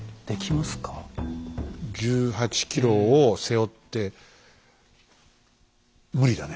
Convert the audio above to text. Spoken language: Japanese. １８ｋｇを背負って無理だね。